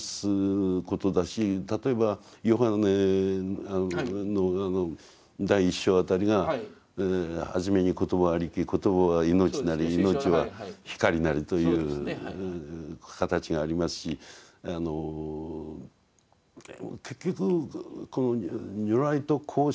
ことだし例えばヨハネの第一章辺りが「初めに言葉ありき言葉は命なり命は光なり」という形がありますし結局如来と交信しておられた瞬間